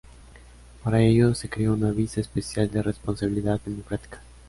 Para ello, se creó una visa especial de Responsabilidad Democrática.